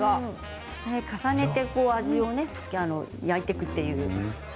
重ねて焼いていくというね。